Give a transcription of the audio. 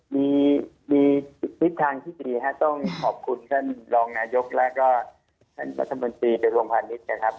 มีฤทธิ์ทางที่ดีค่ะต้องขอบคุณท่านรองนายกและก็ท่านมัธมนตรีและโรงพยาบาลนิษฐ์นะครับ